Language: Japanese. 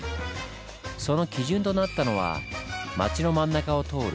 その基準となったのは町の真ん中を通る